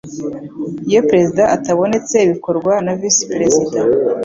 iyo perezida atabonetse bikorwa na Visi Perezida